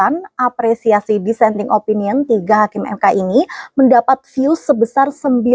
dan apresiasi dissenting opinion tiga hakim mk ini mendapat views sebesar sembilan ratus